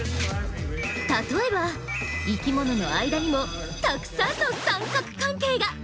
例えば生きものの間にもたくさんの三角関係が！